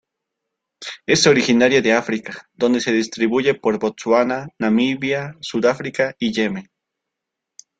Es originaria de África, donde se distribuye por Botsuana, Namibia, Sudáfrica y Yemen.